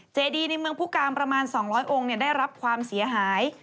เจดีในเมืองผู้การประมาณ๒๐๐องค์ได้รับความเสียหาย